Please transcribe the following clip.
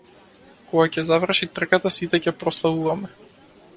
Кога ќе заврши трката сите ќе прославуваме.